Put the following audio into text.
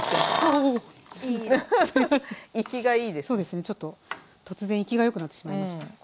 そうですねちょっと突然生きがよくなってしまいました。